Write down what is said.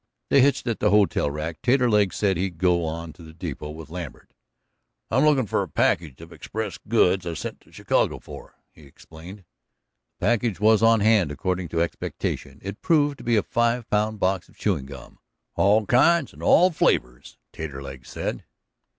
They hitched at the hotel rack. Taterleg said he'd go on to the depot with Lambert. "I'm lookin' for a package of express goods I sent away to Chicago for," he explained. The package was on hand, according to expectation. It proved to be a five pound box of chewing gum, "All kinds and all flavors," Taterleg said.